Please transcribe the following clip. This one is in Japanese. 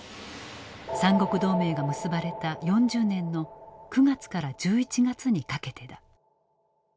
三国同盟が結ばれた４０年の９月から１１月にかけてだ。